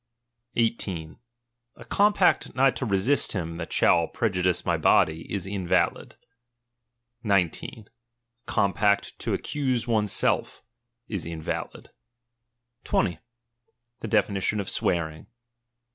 18. A compact not to resist him that shall prejudice my body, is invalid. 19. A compact to accuse one's self, is invalid. 20. The definition of swearing.